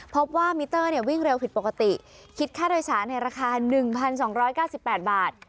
พบว่ามิเตอร์วิ่งเร็วผิดปกติคิดค่าโดยสารในราคา๑๒๙๘บาท